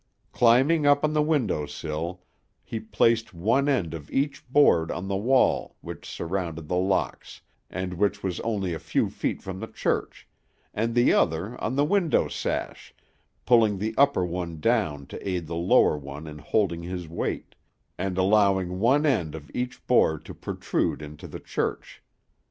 Climbing up on the window sill, he placed one end of each board on the wall which surrounded The Locks, and which was only a few feet from the church, and the other on the window sash, pulling the upper one down to aid the lower one in holding his weight, and allowing one end of each board to protrude into the church.